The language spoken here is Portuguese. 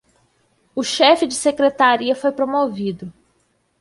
O chefe de secretaria foi promovido